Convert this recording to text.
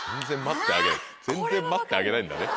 全然待ってあげないんだね。